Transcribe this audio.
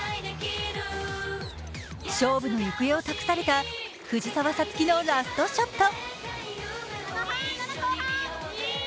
勝負の行方を託された藤澤五月のラストショット。